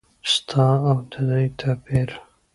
ستا او د دوی توپیر ؟